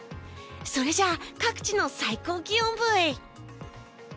それじゃあ各地の最高気温ブイ！